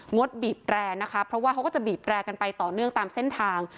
ดบีบแร่นะคะเพราะว่าเขาก็จะบีบแรกันไปต่อเนื่องตามเส้นทาง